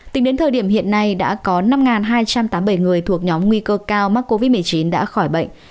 tính đến thời điểm hiện nay đã có năm hai trăm tám mươi bảy người thuộc nhóm nguy cơ cao mắc covid một mươi chín đã khỏi bệnh